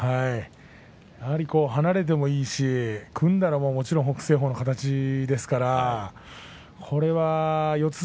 やはり離れてもいいし組んだら、もちろん北青鵬の形ですからこれは四つ